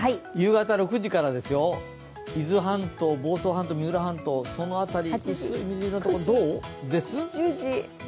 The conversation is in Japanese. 夕方６時からですよ、伊豆半島、房総半島、三浦半島の辺りどうです？